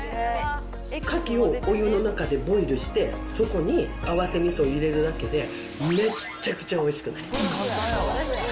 カキをお湯の中でボイルして、そこに合わせみそ入れるだけで、めっちゃくちゃおいしくなります。